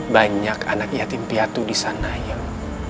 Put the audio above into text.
banyak anak yatim piatu disana yang